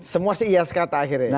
semua se iya sekata akhirnya